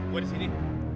bu di sini